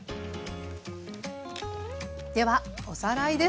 ではおさらいです。